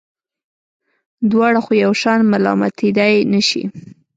دواړه خو یو شان ملامتېدلای نه شي.